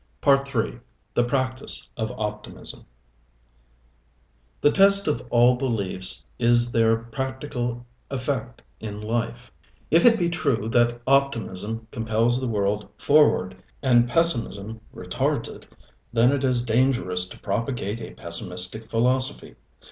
Part iii. The Practice of Optimism Part iii The Practice of Optimism The test of all beliefs is their practical effect in life. If it be true that optimism compels the world forward, and pessimism retards it, then it is dangerous to propagate a pessimistic philosophy.